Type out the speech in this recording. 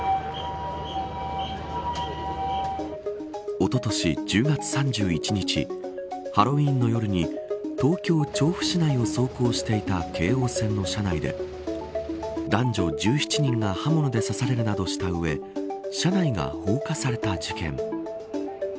おととし１０月３１日ハロウィーンの夜に東京、調布市内を走行していた京王線の車内で男女１７人が刃物で刺されるなどした上車内が放火された事件。